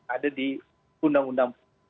ada di undang undang